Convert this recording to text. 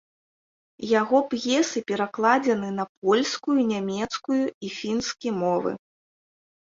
Яго п'есы перакладзены на польскую, нямецкую і фінскі мовы.